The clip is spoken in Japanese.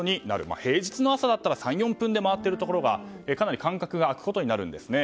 平日の朝だったら３４分で回っているところがかなり間隔が空くことになるんですね。